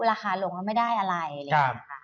ราคาลงแล้วไม่ได้อะไรเลยครับ